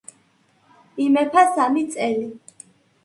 იმეფა სამი წელი.